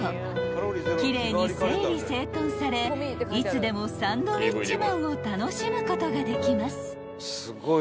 ［奇麗に整理整頓されいつでもサンドウィッチマンを楽しむことができます］